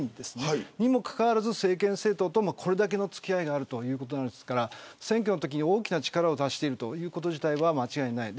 それにもかかわらず政権とのこれだけの付き合いがあるということですから選挙のときに大きな力を出しているということ自体は間違いない。